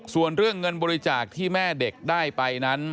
ส่วนเรื่องเงินบริจาคที่แม่เด็กได้ไปนั้น